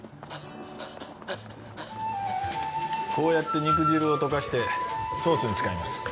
こうやって肉汁を溶かしてソースに使います